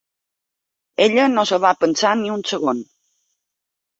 Ella no s’ho va pensar ni un segon.